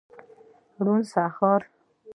روڼ سهار